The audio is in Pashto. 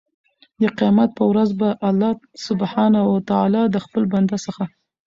د قيامت په ورځ به الله سبحانه وتعالی د خپل بنده څخه